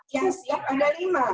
yang siap ada lima